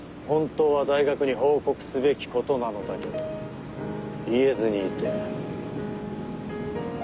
本当は大学に報告すべきことなのだけど言えずにいて」。